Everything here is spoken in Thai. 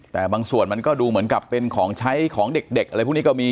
แต่บางส่วนมันก็ดูเหมือนกับเป็นของใช้ของเด็กอะไรพวกนี้ก็มี